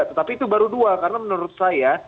tetapi itu baru dua karena menurut saya